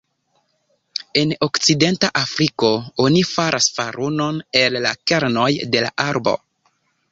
En okcidenta Afriko oni faras farunon el la kernoj de la arbo.